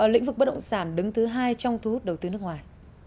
lĩnh vực bất động sản đứng thứ hai trong thu hút đầu tư nước ngoài